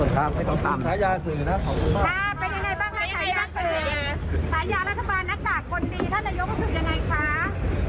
กับรายงานครับ